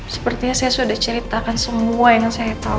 sepertinya saya sudah ceritakan semua yang saya tahu